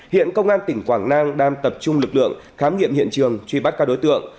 hiện công an tỉnh quảng nam đang tập trung lực lượng khám nghiệm hiện trường truy bắt các đối tượng